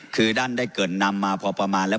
คือท่านได้เกิดนำมาพอประมาณแล้ว